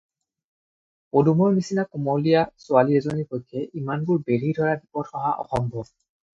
পদুমৰ নিচিনা কুমলীয়া ছোৱালী এজনীৰ পক্ষে ইমানবোৰ বেঢ়ি ধৰা বিপদ সহা অসম্ভৱ।